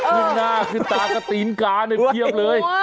ขึ้นหน้ากลิ่นตากับตีนกาเป็นเพี้ยวเลย